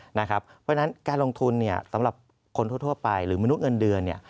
เพราะฉะนั้นการลงทุนสำหรับคนทั่วไปหรือมนุษย์เงินเดือน